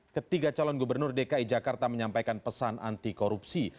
ketiga calon gubernur dki jakarta menyampaikan pesan antikorupsi